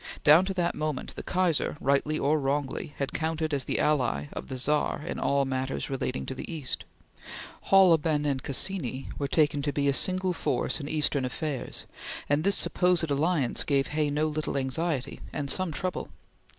Down to that moment, the Kaiser, rightly or wrongly, had counted as the ally of the Czar in all matters relating to the East. Holleben and Cassini were taken to be a single force in Eastern affairs, and this supposed alliance gave Hay no little anxiety and some trouble.